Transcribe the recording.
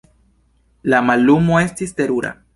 La mallumo estis terura.